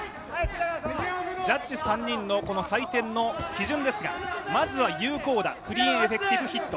ジャッジ３人の採点の基準ですがまずは有効だ、クリーンエフェクティブヒット